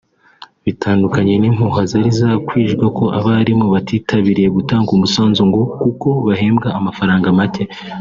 bitandukanye n’impuha zari zakwijwe ko abarimu batitabiriye gutanga umusanzu ngo kuko bahembwa amafaranga make